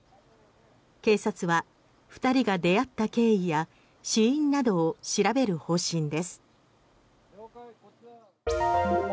警察は、２人が出会った経緯や死因などを調べる方針です。